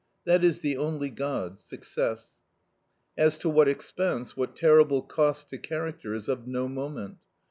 That is the only god, Success. As to what expense, what terrible cost to character, is of no moment.